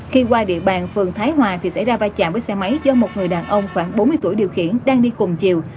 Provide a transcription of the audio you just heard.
khi qua địa bàn phường thái hòa thì xảy ra vai chạm với xe máy do một người đàn ông khoảng bốn mươi tuổi điều khiển đang đi cùng chiều